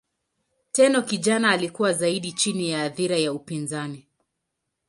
Tenno kijana alikuwa zaidi chini ya athira ya upinzani.